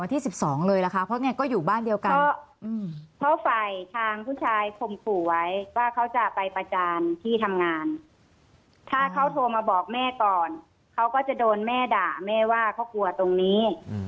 มีผู้ชายข่มขู่ไว้ว่าเขาจะไปประจานที่ทำงานถ้าเขาโทรมาบอกแม่ก่อนเขาก็จะโดนแม่ด่าแม่ว่าเขากลัวตรงนี้